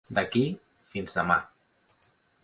D'aquí, fins demà.